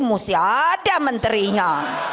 mesti ada menterinya